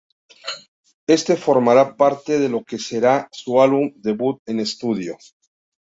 Éste formará parte de lo que será su álbum debut en estudio.